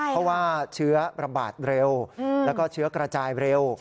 เพราะว่าเชื้อระบาดเร็วแล้วก็เชื้อกระจายเร็ว